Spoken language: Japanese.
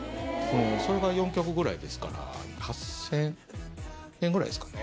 それが４局ぐらいですから８０００円ぐらいですかね。